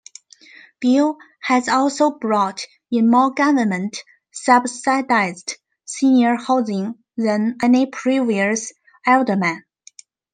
Beale has also brought in more government subsidized senior housing than any previous alderman.